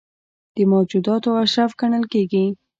د موجوداتو اشرف ګڼل کېږي.